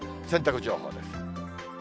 洗濯情報です。